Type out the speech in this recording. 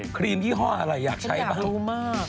ครีมยี่ห้ออะไรอยากใช้บ้างรู้มาก